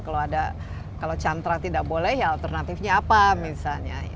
kalau ada kalau cantra tidak boleh ya alternatifnya apa misalnya